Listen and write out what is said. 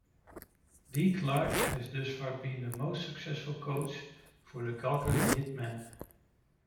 Dean Clark has thus far been the most successful coach for the Calgary Hitmen.